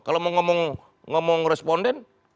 kalau mau ngomong responden